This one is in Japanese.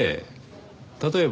ええ。